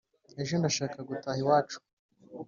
ejo ndashaka gutaha.iwacu